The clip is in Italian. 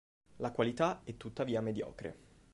La qualità è tuttavia mediocre.